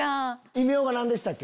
異名が何でしたっけ？